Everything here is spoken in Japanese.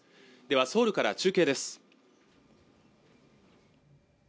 ソウルから中継です